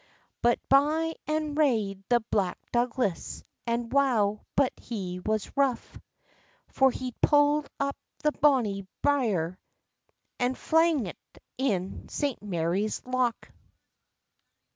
But by and rade the Black Douglas, And wow but he was rough! For he pull'd up the bonny brier, An flang't in St. Marie's Loch.